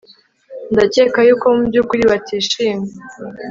ndakeka yuko mubyukuri batishimye